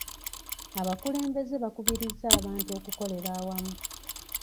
Abakulembeze bakubirizza abantu okukolera awamu.